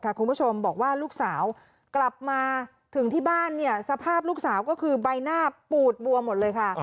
คุณผู้ชมบอกว่าลูกสาวกลับมาถึงที่บ้านเนี่ยสภาพลูกสาวก็คือใบหน้าปูดบัวหมดเลยค่ะ